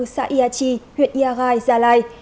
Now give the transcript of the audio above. xã ia chi huyện ia gai gia lai